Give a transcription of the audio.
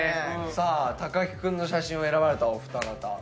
さあ木君の写真を選ばれたお二方。